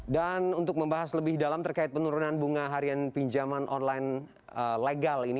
dan untuk membahas lebih dalam terkait penurunan bunga harian pinjaman online legal ini